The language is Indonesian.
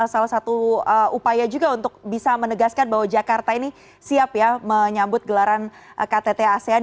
salah satu upaya juga untuk bisa menegaskan bahwa jakarta ini siap ya menyambut gelaran ktt asean